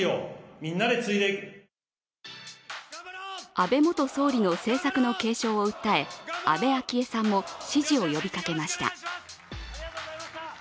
安倍元総理の政策の継承を訴え、安倍昭恵さんも支持を訴えました。